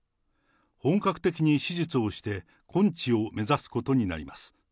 本格的に手術をして根治を目指すことになります。